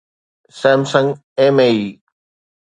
Samsung MAE